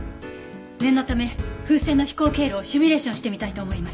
念のため風船の飛行経路をシミュレーションしてみたいと思います。